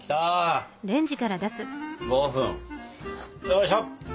よいしょ！